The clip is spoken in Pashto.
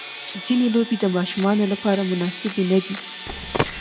ځینې لوبې د ماشومانو لپاره مناسبې نه دي.